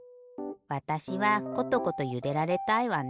わたしはコトコトゆでられたいわね。